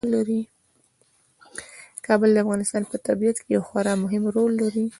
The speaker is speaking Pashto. کابل د افغانستان په طبیعت کې یو خورا مهم رول لري.